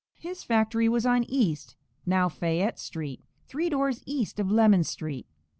His factory was on East, now Fayette street, three doors east of Lemon street.